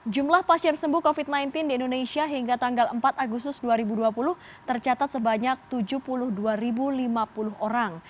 jumlah pasien sembuh covid sembilan belas di indonesia hingga tanggal empat agustus dua ribu dua puluh tercatat sebanyak tujuh puluh dua lima puluh orang